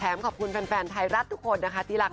แถมขอบคุณแฟนไทยรัฐทุกคนที่รัก